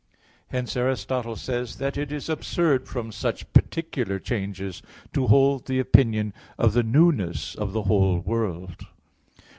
Hence Aristotle says (Meteor. i), that it is absurd from such particular changes to hold the opinion of the newness of the whole world.